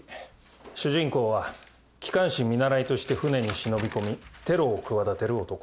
主人公は機関士見習として船に忍び込みテロを企てる男。